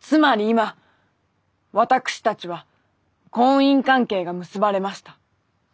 つまり今私たちは婚姻関係が結ばれました。